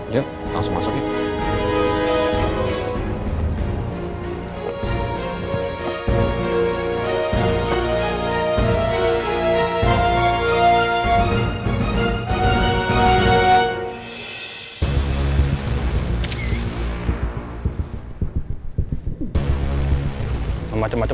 yuk langsung masuk yuk